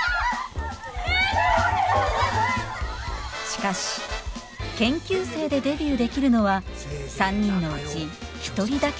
しかし研究生でデビューできるのは３人のうち１人だけです